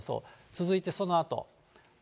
続いてそのあと。